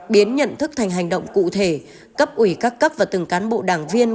biến nhận thức thành hành động cụ thể cấp ủy các cấp và từng cán bộ đảng viên